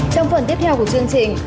trong phần tiếp theo của chương trình